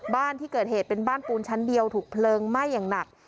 บ้านที่เกิดเหตุเป็นบ้านปูนชั้นเดียวถูกเพลิงไหม้อย่างหนัก